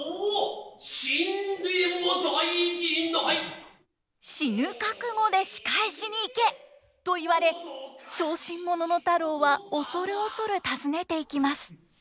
オオ死ぬ覚悟で仕返しに行けと言われ小心者の太郎は恐る恐る訪ねていきます。